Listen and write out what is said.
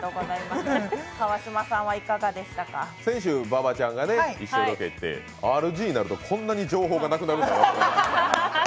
先週、馬場ちゃんが一緒にロケ行って、ＲＧになるとこんなに情報がなくなるんだなって。